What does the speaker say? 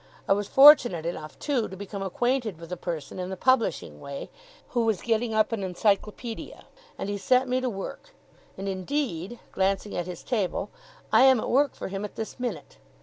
I was fortunate enough, too, to become acquainted with a person in the publishing way, who was getting up an Encyclopaedia, and he set me to work; and, indeed' (glancing at his table), 'I am at work for him at this minute.